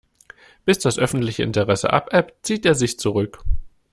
Bis das öffentliche Interesse abebbt, zieht er sich zurück.